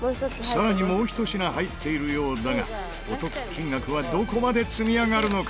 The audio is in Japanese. さらにもう１品入っているようだがお得金額はどこまで積み上がるのか？